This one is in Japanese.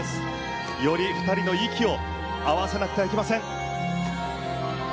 より２人の息を合わせなくてはいけません。